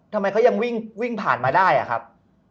ทำไมเขายังวิ่งผ่านมาได้อะครับ